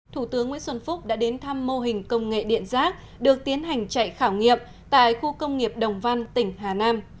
thủ tướng nguyễn xuân phúc đã đến thăm mô hình công nghệ điện rác được tiến hành chạy khảo nghiệm tại khu công nghiệp đồng văn tỉnh hà nam